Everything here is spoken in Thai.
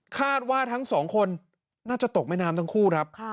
คาดว่าทั้งสองคนน่าจะตกแม่น้ำทั้งคู่ครับ